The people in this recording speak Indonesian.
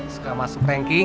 suka masuk ranking